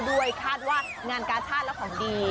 คาดว่างานกาชาติและของดี